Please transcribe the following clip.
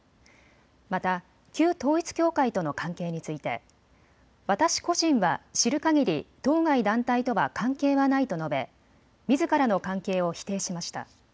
また旧統一教会との関係について私個人は知るかぎり当該団体とは関係はないと述べみずからの関係を否定しました。